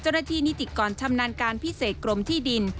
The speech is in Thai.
เจ้าหน้าที่นิติกรรมชำนาญการพิเศษกรมที่ดิน